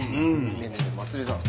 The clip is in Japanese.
ねえねえねえまつりさん。